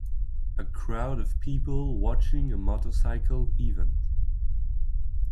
A crowd of people watching a motorcycle event.